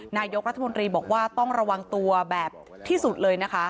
นายกรัฐมนตรีบอกว่าต้องระวังตัวแบบที่สุดเลยนะคะ